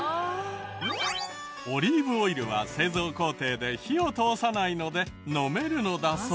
オリーブオイルは製造工程で火を通さないので飲めるのだそう。